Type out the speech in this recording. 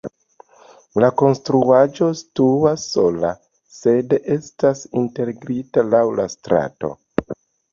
La konstruaĵo situas sola, sed estas integrita laŭ la strato.